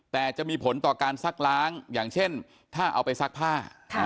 แต่จะมีผลต่อการซักล้างอย่างเช่นถ้าเอาไปซักผ้า